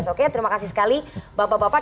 oke terima kasih sekali bapak bapak